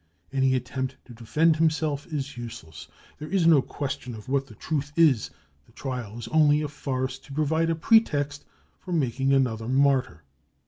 Any attempt to defend himself is useless. There is no question of what the truth is ; the j trial is only a farce to provide a pretext for making another martyr.